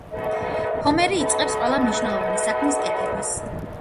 ჰომერი იწყებს ყველა მნიშვნელოვანი საქმის კეთებას.